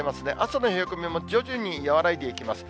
朝の冷え込みも徐々に和らいでいきます。